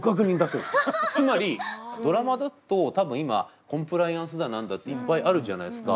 つまりドラマだと多分今コンプライアンスだ何だっていっぱいあるじゃないですか。